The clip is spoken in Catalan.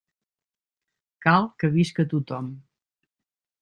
Cal que visca tothom.